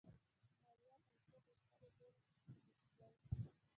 مالیه، ملکیت او شخړې ټول ثبتېدل.